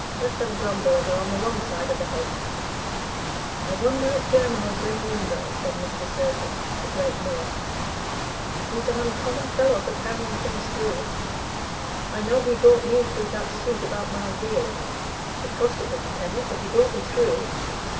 Let them grumble as are on the wrong side of the hedge." "I wonder if Jermyn'll bring him in, though," said Mr. Sircome, the great miller. "He's an uncommon fellow for carrying things through. I know he brought me through that suit about my weir; it cost a pretty penny, but he brought me through."